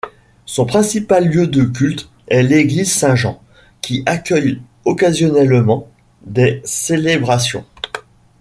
Son principal lieu de culte est l'église Saint-Jean, qui accueille occasionnellement des célébrations.